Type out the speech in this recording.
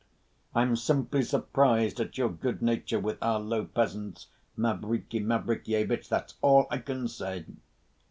I'm simply surprised at your good‐nature, with our low peasants, Mavriky Mavrikyevitch, that's all I can say."